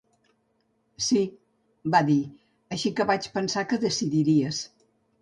"Sí", va dir; "així que vaig pensar que decidiries".